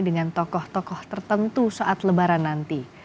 dengan tokoh tokoh tertentu saat lebaran nanti